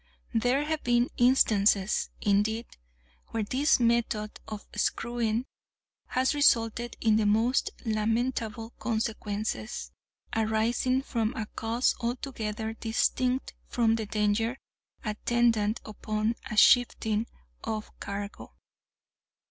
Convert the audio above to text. There have been instances, indeed, where this method of screwing has resulted in the most lamentable consequences, arising from a cause altogether distinct from the danger attendant upon a shifting of cargo.